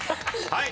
はい。